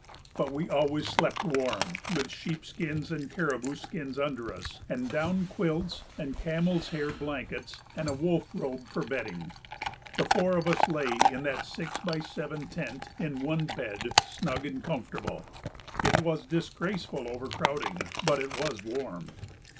But we always slept warm; with sheep skins and caribou skins under us, and down quilts and camel's hair blankets and a wolf robe for bedding, the four of us lay in that six by seven tent, in one bed, snug and comfortable. It was disgraceful overcrowding, but it was warm.